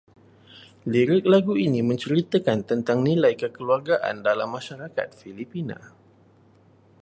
Lirik lagu ini menceritakan tentang nilai kekeluargaan dalam masyarakat Filipina